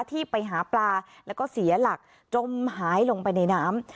ที่ไปหาปลาแล้วก็เสียหลักจมหายลงไปในน้ำ